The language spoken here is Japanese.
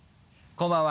こんばんは。